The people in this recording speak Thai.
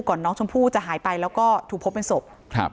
ก่อนน้องชมพู่จะหายไปแล้วก็ถูกพบเป็นศพ